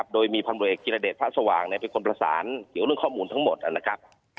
โดยมีพันธุรกิจจิรเดชพระสว่างเป็นคนประสานเกี่ยวเรื่องข้อมูลทั้งหมดนะครับ